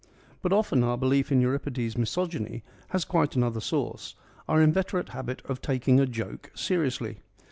But often our belief in Euripides' misogyny has quite another source : our inveterate habit of taking a joke seriously.